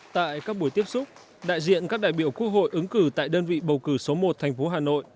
tại các buổi tiếp xúc đại diện các đại biểu quốc hội ứng cử tại đơn vị bầu cử số một thành phố hà nội